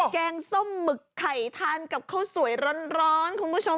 แกงส้มหมึกไข่ทานกับข้าวสวยร้อนคุณผู้ชม